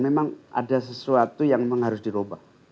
memang ada sesuatu yang memang harus dirubah